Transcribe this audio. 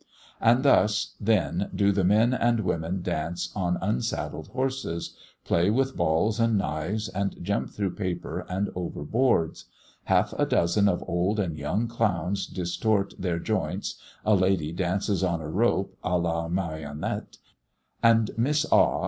And thus, then, do the men and women dance on unsaddled horses, play with balls and knives, and jump through paper and over boards; half a dozen of old and young clowns distort their joints; a lady dances on a rope, à la marionette; and Miss A.